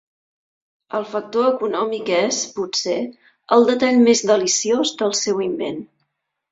El factor econòmic és, potser, el detall més deliciós del seu invent.